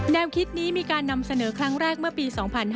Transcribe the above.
แนวคิดนี้มีการนำเสนอครั้งแรกเมื่อปี๒๕๕๙